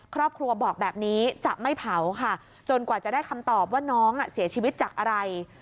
ครอบครัวบอกแบบนี้จะไม่เผาค่ะจนกว่าจะได้คำตอบว่าน้องเสียชีวิตจากอะไร